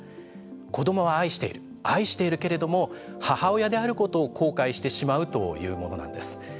子どもは愛している愛しているけれども母親であることを後悔してしまうというものなんです。